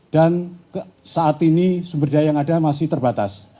dan saat ini sumber daya yang ada masih terbatas